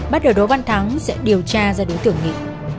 bắt đầu đỗ văn thắng sẽ điều tra ra đối tượng nghị